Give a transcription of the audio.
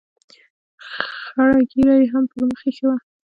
خړه ږیره یې هم پر مخ اېښې وه.